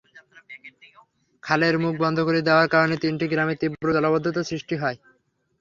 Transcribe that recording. খালের মুখ বন্ধ করে দেওয়ার কারণে তিনটি গ্রামে তীব্র জলাবদ্ধতার সৃষ্টি হয়।